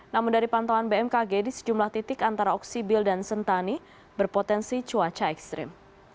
namun dari pantauan bmkg di sejumlah titik antara oksibil dan sentani berpotensi cuaca ekstrim